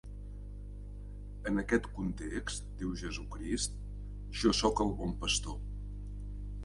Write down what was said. En aquest context, diu Jesucrist, Jo soc el bon pastor.